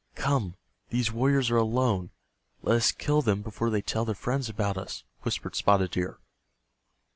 "Come, these warriors are alone, let us kill them before they tell their friends about us," whispered Spotted Deer.